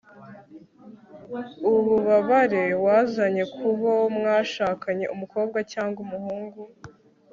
ububabare wazanye kubo mwashakanye, umukobwa cyangwa umuhungu